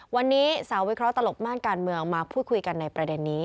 วันนี้สาววิเคราะห์ตลบม่านการเมืองมาพูดคุยกันในประเด็นนี้